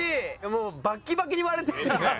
もうバッキバキに割れてるじゃん。